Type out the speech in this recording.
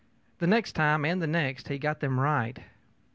The next time and the next he got them right.